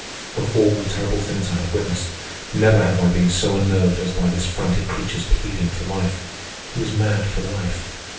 Of all the terrible things I have witnessed, never have I been so unnerved as by this frantic creature's pleading for life. He was mad for life.